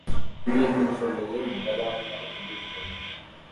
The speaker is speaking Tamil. கொள் என்னும் சொல்லையே முதனிலையாகக் கொண்டிருப்பதும்